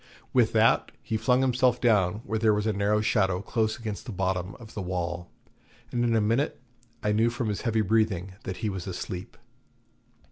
With that he flung himself down where there was a narrow shadow close against the bottom of the wall, and in a minute I knew from his heavy breathing that he was asleep.